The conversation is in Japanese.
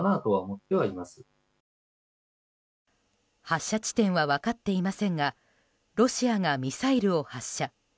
発射地点は分かっていませんがロシアがミサイルを発射。